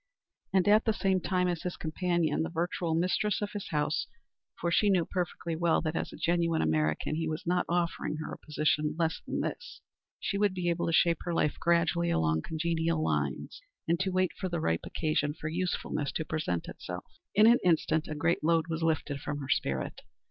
And at the same time as his companion the virtual mistress of his house, for she knew perfectly well that as a genuine American he was not offering her a position less than this she would be able to shape her life gradually along congenial lines, and to wait for the ripe occasion for usefulness to present itself. In an instant a great load was lifted from her spirit.